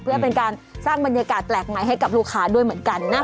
เพื่อเป็นการสร้างบรรยากาศแปลกใหม่ให้กับลูกค้าด้วยเหมือนกันนะ